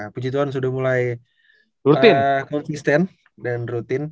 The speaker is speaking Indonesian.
puji tuhan sudah mulai konsisten dan rutin